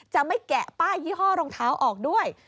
จะไม่แกะป้ายยี่ห้อรองเท้าออกด้วย